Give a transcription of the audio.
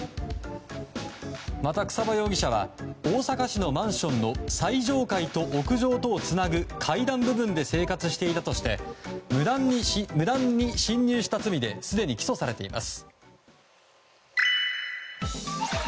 また、草場容疑者は大阪市のマンションの最上階と屋上とをつなぐ階段部分で生活していたとして無断に侵入した罪ですでに起訴されています。